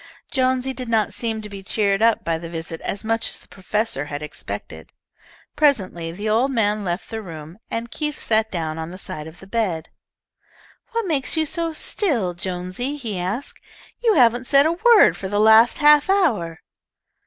Jonesy did not seem to be cheered up by the visit as much as the professor had expected. Presently the old man left the room and Keith sat down on the side of the bed. "What makes you so still, Jonesy?" he asked. "You haven't said a word for the last half hour."